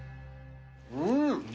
うん！